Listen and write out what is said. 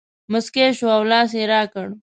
مسکی شو او لاس یې راکړ.